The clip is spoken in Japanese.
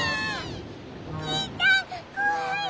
にーたんこわい！